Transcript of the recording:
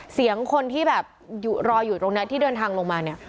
เสียงคนที่แบบรออยู่ตรงนี้ที่เดินทางลงมาเนี่ย